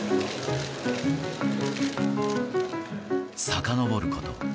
さかのぼること